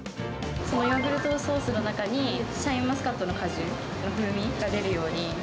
ヨーグルトソースの中にシャインマスカットの果汁、風味が出るように。